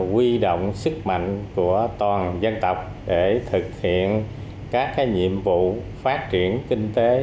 quy động sức mạnh của toàn dân tộc để thực hiện các nhiệm vụ phát triển kinh tế